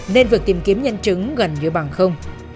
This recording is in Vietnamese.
nên việc tìm kiếm nhân chứng gần như bằng không